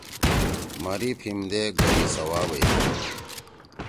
مری پھیِم دے گَئی سوابَئی۔